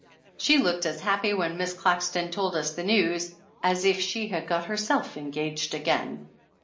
She looked as happy when Miss Claxton told us the news as if she had got herself engaged again.